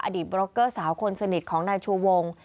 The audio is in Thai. บล็อกเกอร์สาวคนสนิทของนายชูวง